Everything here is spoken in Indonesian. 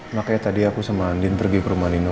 makanya tadi aku sama andin pergi ke rumah nino